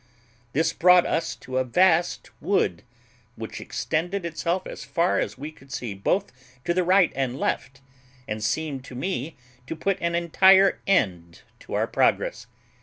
This brought us to a vast wood, which extended itself as far as we could see, both to the right and left, and seemed to me to put an entire end to our progress.